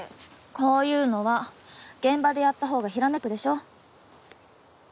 こういうのは現場でやった方がひらめくでしょ。